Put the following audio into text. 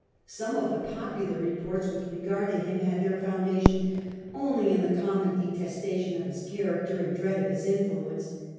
Some of the popular reports with regard to him had their founda tion only in the common detestation of his character and dread of his influence.